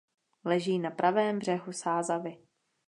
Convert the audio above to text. Leží na pravém břehu Sázavy.